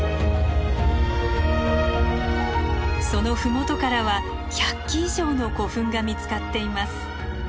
その麓からは１００基以上の古墳が見つかっています。